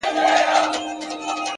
دغه ساغر هغه ساغر هره ورځ نارې وهي;